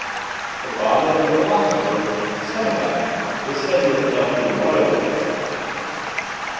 The father of the philosophers, Seneca, is said to have collected royal wealth.